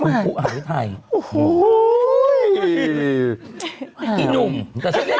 คุณผู้หาวิทยาลัย